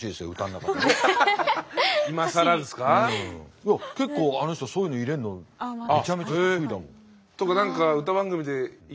いや結構あの人そういうの入れんのめちゃめちゃ得意だもん。